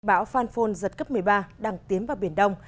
bão phan phôn giật cấp một mươi ba đằng tiến vào biển đông